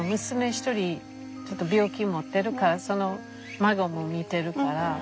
一人病気持ってるからその孫も見てるから。